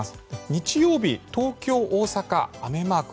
日曜日東京、大阪、雨マーク。